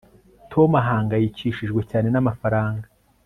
tom ahangayikishijwe cyane n'amafaranga